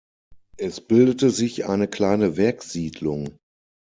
Es bildete sich eine kleine Werkssiedlung.